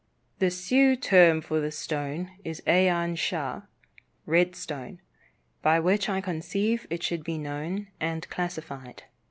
The Sioux term for the stone is Eyan Sha (red stone), by which, I conceive, it should be known and classified."